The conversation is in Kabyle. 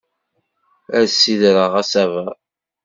Ad d-ssidreɣ asaber.